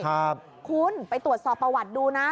คุณไปตรวจสอบประวัติดูนะ